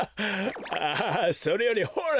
ああそれよりほら！